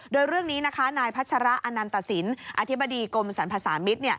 โดยเรื่องนี้นะคะนายพัชระอนันตสินอธิบดีกรมสรรพสามิตร